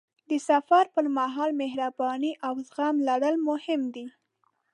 د سفر پر مهال مهرباني او زغم لرل مهم دي.